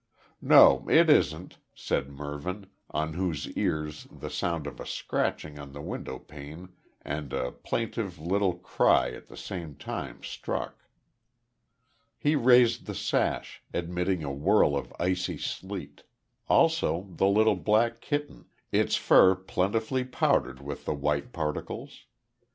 "No, it isn't," said Mervyn, on whose ears the sound of a scratching on the windowpane and a plaintive little cry at the same time struck. He raised the sash, admitting a whirl of icy sleet, also the little black kitten, its fur plentifully powdered with the white particles.